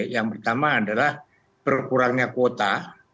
yang pertama adalah berkurangnya kuota